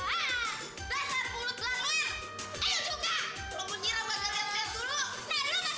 enggak siti gak mau main bareng sama kalian